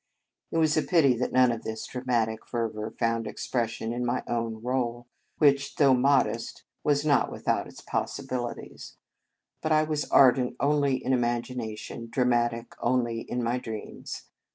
It was a pity that none of this dra matic fervour found expression in my own role, which, though modest, was 55 In Our Convent Days not without its possibilities. But I was ardent only in imagination, dra matic only in my dreams.